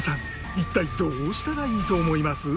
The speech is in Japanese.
一体どうしたらいいと思います？